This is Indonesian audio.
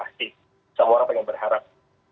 pasti semua orang pengen berharap